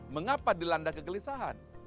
mengapa dilanda kegelisahan